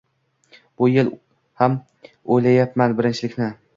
Bu yil ham o‘ylayapman birinchilikni …